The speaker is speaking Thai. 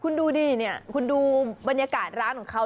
คุณดูดิเนี่ยคุณดูบรรยากาศร้านของเขา